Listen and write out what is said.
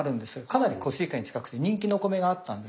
かなりコシヒカリに近くて人気のお米があったんですが。